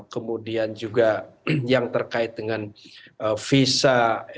kemudian juga yang terkait dengan visa